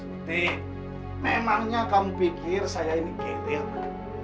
suti memangnya kamu pikir saya ini gede apa